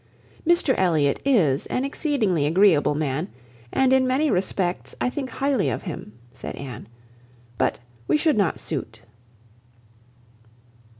"Mr Elliot is an exceedingly agreeable man, and in many respects I think highly of him," said Anne; "but we should not suit."